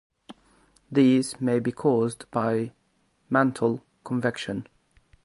These may be caused by mantle convection.